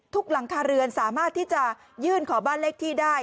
หลังคาเรือนสามารถที่จะยื่นขอบ้านเลขที่ได้